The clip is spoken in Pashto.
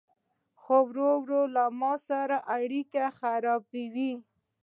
خو ورو ورو له ما سره اړيکي خرابوي